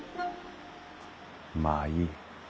まあいい。